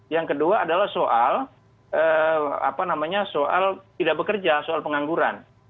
yang kedua adalah soal apa namanya soal tidak bekerja soal pengangguran